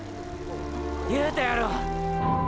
言うたやろ。